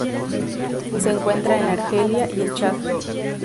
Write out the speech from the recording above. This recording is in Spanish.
Se encuentra en Argelia y el Chad.